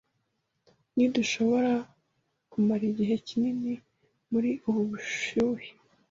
Ntidushobora kumara igihe kinini muri ubu bushyuhe.